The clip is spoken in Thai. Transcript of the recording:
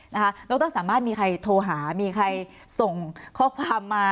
นะคะรกต้องสามารถมีใครโทรหามีใครส่งข้อความมา